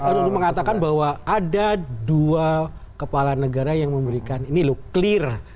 pak nurul mengatakan bahwa ada dua kepala negara yang memberikan ini loh clear